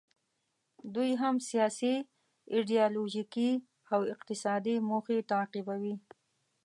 دوی هم سیاسي، ایډیالوژیکي او اقتصادي موخې تعقیبوي.